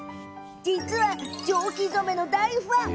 蒸気染めの大ファン。